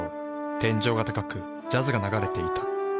天井が高くジャズが流れていた。